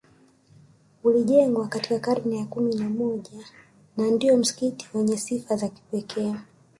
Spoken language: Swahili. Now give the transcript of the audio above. Ulijengwa katika karne ya kumi na moja na ndio msikiti wenye sifa ya kipekee